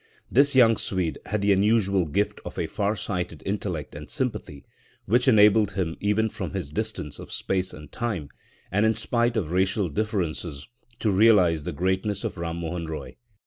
This young Swede had the unusual gift of a far sighted intellect and sympathy, which enabled him even from his distance of space and time, and in spite of racial differences, to realise the greatness of Ram Mohan Roy.